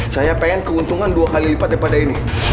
saya pengen keuntungan dua kali lipat daripada ini